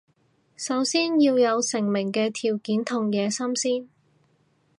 首先要有成名嘅條件同野心先